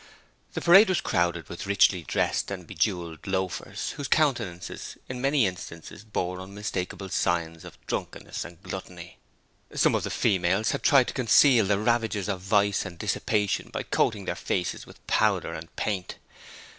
The Parade was crowded with richly dressed and bejewelled loafers, whose countenances in many instances bore unmistakable signs of drunkenness and gluttony. Some of the females had tried to conceal the ravages of vice and dissipation by coating their faces with powder and paint.